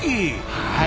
はい。